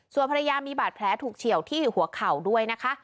ส่วนภรรยามีบาดแผลถูกเฉียวที่หัวเข่าด้วยนะคะ